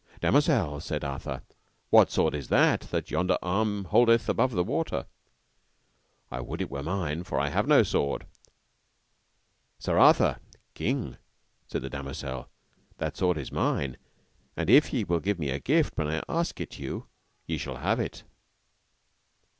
Damosel, said Arthur, what sword is that, that yonder the arm holdeth above the water? I would it were mine, for I have no sword. Sir Arthur, king, said the damosel, that sword is mine, and if ye will give me a gift when I ask it you, ye shall have it.